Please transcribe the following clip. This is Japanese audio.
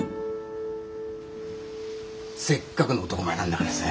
せっかくの男前なんだからさ。ね？